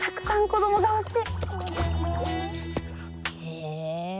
へえ。